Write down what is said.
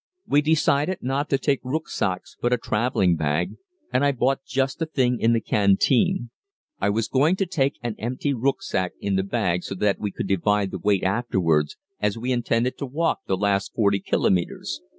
We decided not to take rücksacks but a traveling bag, and I bought just the thing in the canteen. I was going to take an empty rücksack in the bag so that we could divide the weight afterwards, as we intended to walk the last 40 kilometres.